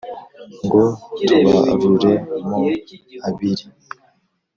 Ngo tubarure mo abiri